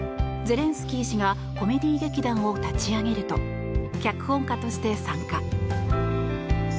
ゼレンスキー氏がコメディー劇団を立ち上げると脚本家として参加。